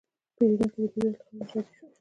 پیرودونکی د پیرود له خدمت راضي شو.